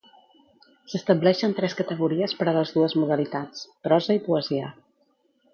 S'estableixen tres categories per a les dues modalitats: prosa i poesia.